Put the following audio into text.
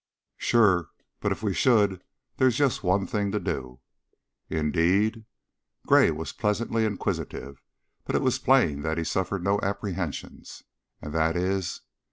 "Sure! But if we should, there's just one thing to do." "Indeed?" Gray was pleasantly inquisitive, but it was plain that he suffered no apprehensions. "And that is